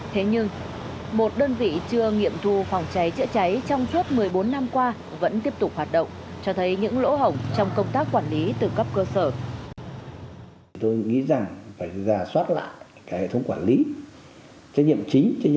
thế nhưng một đơn vị chưa nghiệm thu phòng cháy chữa cháy trong suốt một mươi bốn năm qua vẫn tiếp tục hoạt động cho thấy những lỗ hổng trong công tác quản lý từ cấp cơ sở